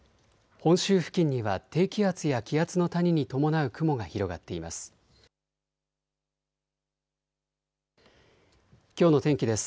本州付近には低気圧や気圧の谷に伴う雲が広がっています。